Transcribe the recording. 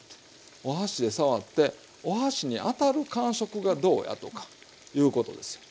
お箸で触ってお箸に当たる感触がどうやとかいうことですよ。